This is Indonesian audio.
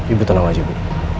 ibu tenang aja bu